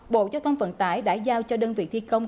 bộ giao thông vận tải đã giao cho đơn vị thi công